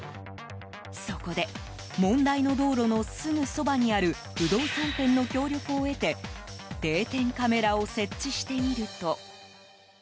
そこで、問題の道路のすぐそばにある不動産店の協力を得て定点カメラを設置してみると。